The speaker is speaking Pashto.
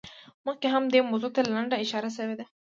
مخکې هم دې موضوع ته لنډه اشاره شوې وه.